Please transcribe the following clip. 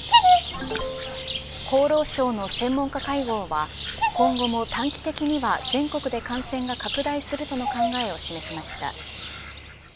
厚労省の専門家会合は今後も短期的には全国で感染が拡大するとの考えを示しました。